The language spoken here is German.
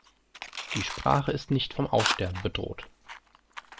Die Sprache ist nicht vom Aussterben bedroht.